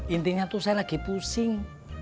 intinya tuh saya lagi pusing